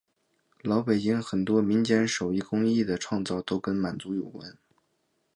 老北京很多民间手工艺的创造都跟满族有关。